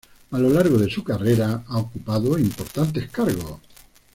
A lo largo de su carrera ha ocupado importantes cargos.